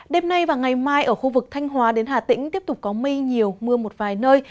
đêm nay và ngày mai ở khu vực thanh hóa đến hà tĩnh tiếp tục có mây nhiều mưa một vài nơi